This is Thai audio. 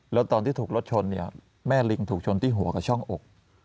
แล้วตอนที่ถูกรถชนเนี่ยแม่ลิงถูกชนที่หัวกับช่องอก